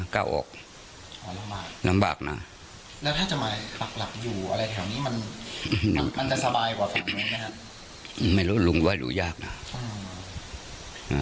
ว่ามันอยู่ตรงคนนี้